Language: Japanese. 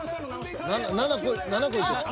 ［７個］